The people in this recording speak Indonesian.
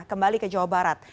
kembali ke jawa barat